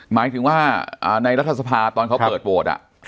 หมายถึงว่าในรัฐสภาตอนเขาเปิดโหวต